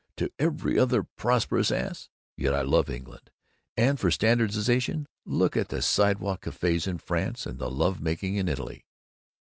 to every other prosperous ass? Yet I love England. And for standardization just look at the sidewalk cafés in France and the love making in Italy!